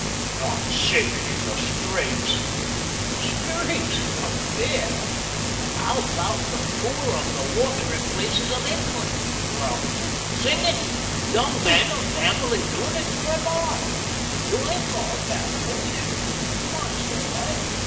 "Not singing in the streets?" "Streets! No fear! But 'ow about the Tour of the Waterin' Places of England, Grubb? Singing! Young men of family doing it for a lark? You ain't got a bad voice, you know, and mine's all right.